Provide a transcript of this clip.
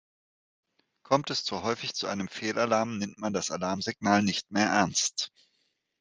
Kommt es zu häufig zu einem Fehlalarm, nimmt man das Alarmsignal nicht mehr ernst.